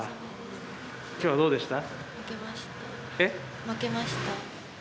今日はどうでした？